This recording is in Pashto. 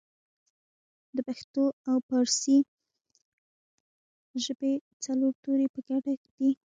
پښتو او پارسۍ ژبې څلور توري په ګډه دي